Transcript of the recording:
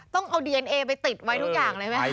ต้องเอาดีเอนเอไปติดไว้ทุกอย่างเลยไหม